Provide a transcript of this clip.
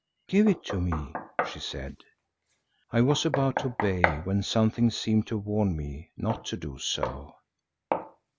"Give it to me," she said. I was about to obey when something seemed to warn me not to do so.